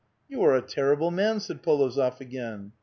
" You are a terrible man !" said Polozof again.